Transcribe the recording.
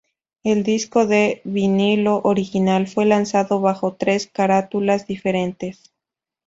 El disco de vinilo original fue lanzado bajo tres carátulas diferentes.